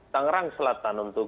tangerang selatan untuk